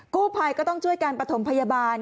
กู้ไภคและก็ต้องชอบการประสงค์พยาบาล